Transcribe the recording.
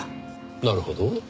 なるほど。